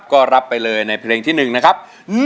ก็รับไปเลยในเพลงที่๑นะครับ